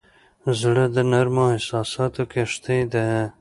زړه د نرمو احساساتو کښتۍ ده.